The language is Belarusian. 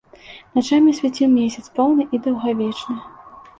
Начамі свяціў месяц, поўны і даўгавечны.